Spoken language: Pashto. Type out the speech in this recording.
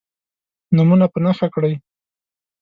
نومونه په نښه کړئ.